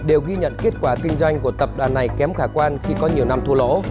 đều ghi nhận kết quả kinh doanh của tập đoàn này kém khả quan khi có nhiều năm thua lỗ